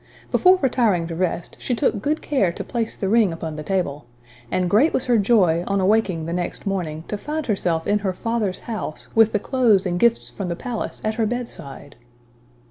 Before retiring to rest, she took good care to place the ring upon the table, and great was her joy, on awaking the next morning, to find herself in her father's house, with the clothes and gifts from the palace at her bed side!